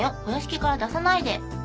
お屋敷から出さないで」